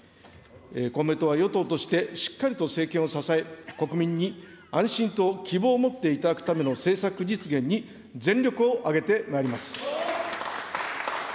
公明党は与党としてしっかりと政権を支え、国民に安心と希望を持っていただくための政策実現に全力を挙げてまいります。